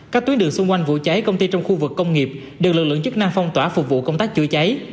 các tuyến đường xung quanh vụ cháy công ty trong khu vực công nghiệp được lực lượng chức năng phong tỏa phục vụ công tác chữa cháy